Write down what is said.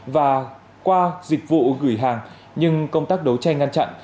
và qua dịch vụ gửi hàng nhưng công tác đấu tranh ngăn chặn